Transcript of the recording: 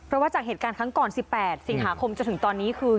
เพราะว่าจากเหตุการณ์ครั้งก่อน๑๘สิงหาคมจนถึงตอนนี้คือ